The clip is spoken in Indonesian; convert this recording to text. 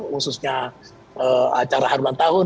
khususnya acara harulan tahun